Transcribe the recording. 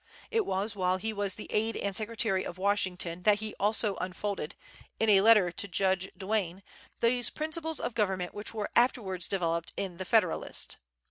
It was while he was the aid and secretary of Washington that he also unfolded, in a letter to Judge Duane, those principles of government which were afterwards developed in "The Federalist."